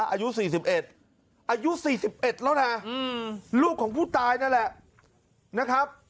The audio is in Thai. อายุ๔๑อายุ๔๑แล้วนะลูกของผู้ตายนั่นแหละนะครับ